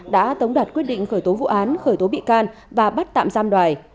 đã tống đạt quyết định khởi tố vụ án khởi tố bị can và bắt tạm giam đoài